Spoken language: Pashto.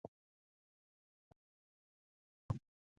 ماوو په هېواد کې د پراخېدونکي تاوتریخوالي په اړه اندېښنو ته ځواب وویل.